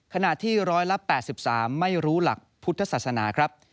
ขณะที่ร้อยละ๘๓ไม่รู้หลักพุทธศาสนาครับ